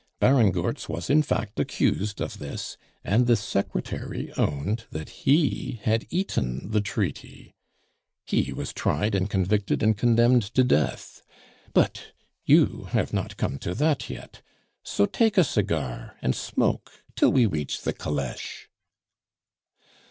Baron Goertz was, in fact, accused of this, and the secretary owned that he had eaten the treaty. He was tried and convicted and condemned to death. But you have not come to that yet, so take a cigar and smoke till we reach the caleche."